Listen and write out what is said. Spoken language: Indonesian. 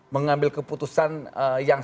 mengambil keputusan yang